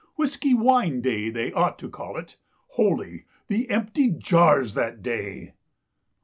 Whiskey wine day, they ought to call it. Holy ! the empty jars that day."